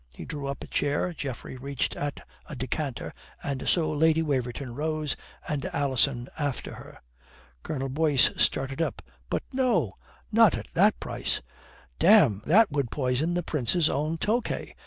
He drew up a chair, Geoffrey reached at a decanter, and so Lady Waverton rose and Alison after her. Colonel Boyce started up. "But no not at that price. Damme, that would poison the Prince's own Tokay.